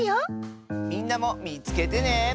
みんなもみつけてね。